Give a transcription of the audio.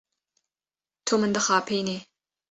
Tu min dixapînî.